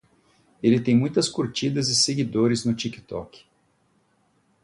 Ele tem muitas curtidas e seguidores no TikTok